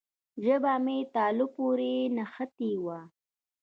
ژبه مې تالو پورې نښتې وه.